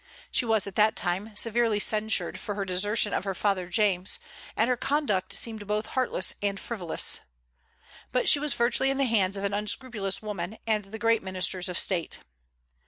She was at that time severely censured for her desertion of her father James, and her conduct seemed both heartless and frivolous. But she was virtually in the hands of an unscrupulous woman and the great ministers of State.